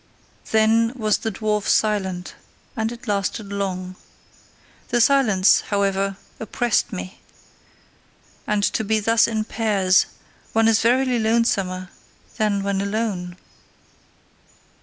Then was the dwarf silent; and it lasted long. The silence, however, oppressed me; and to be thus in pairs, one is verily lonesomer than when alone!